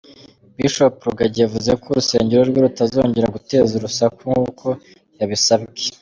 Bishop Rugagi yavuze ko urusengero rwe rutazongera guteza urusaku nk’uko yabisabwe.